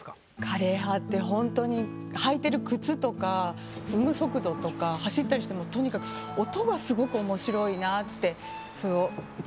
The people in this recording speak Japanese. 枯葉ってほんとに履いてる靴とか踏む速度とか走ったりしてもとにかく音がスゴく面白いなって。